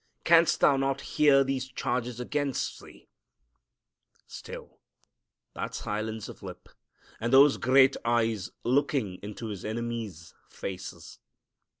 Canst thou not hear these charges against Thee?" Still that silence of lip, and those great eyes looking into His enemies' faces.